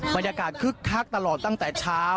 บรรยากาศคึกคักตลอดตั้งแต่เช้า